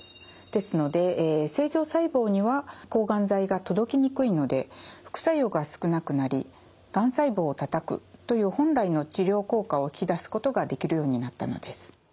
ですので正常細胞には抗がん剤が届きにくいので副作用が少なくなりがん細胞をたたくという本来の治療効果を引き出すことができるようになったのです。